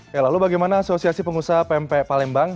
ya lalu bagaimana asosiasi pengusaha pmp palembang